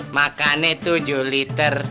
makannya tujuh liter